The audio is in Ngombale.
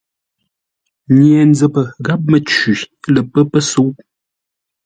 Nye-nzəpə gháp Mə́cwi lə pə́ pəsə̌u.